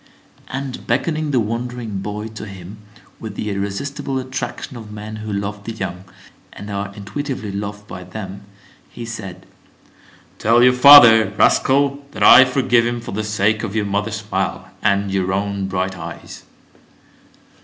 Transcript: And beckoning the wondering boy to him with the irresistible attraction of men who love the young, and are intuitively loved by them, he said: "Tell your father, rascal, that I forgive him for the sake of your mother's smile, and your own bright eyes."